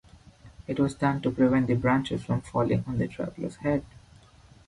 It was done to prevent the branches from falling on the traveler's head.